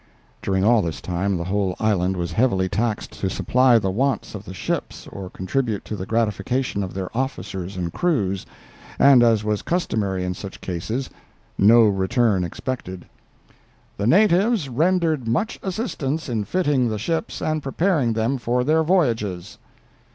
During all this time the whole island was heavily taxed to supply the wants of the ships or contribute to the gratification of their officers and crews, and, as was customary in such cases, no return expected. "The natives rendered much assistance in fitting the ships and preparing them for their voyages."